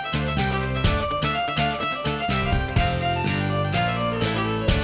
kurang masuk ke kuat